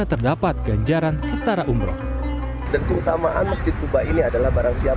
terdapat ganjaran setara umroh